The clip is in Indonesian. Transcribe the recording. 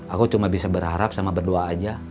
aku cuma bisa berharap sama berdoa aja